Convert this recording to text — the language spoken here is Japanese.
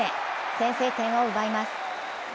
先制点を奪います。